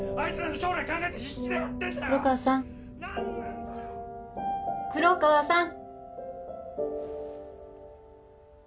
黒川さん黒川さん！